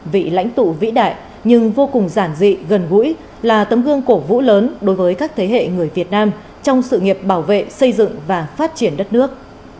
vị lãnh tụ vĩ đại nhưng vô cùng giản dị gần gũi là tấm gương cổ vũ lớn đối với các thế hệ người việt nam trong sự nghiệp bảo vệ xây dựng và phát triển đất nước